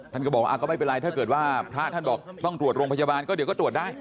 ท่านก็บอกว่าก็ไม่เป็นไรถ้าเกิดว่าพระท่านบอกต้องตรวจโรงพยาบาลก็เดี๋ยวก็ตรวจได้